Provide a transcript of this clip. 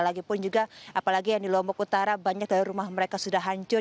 lagi pun juga apalagi yang di lombok utara banyak dari rumah mereka sudah hancur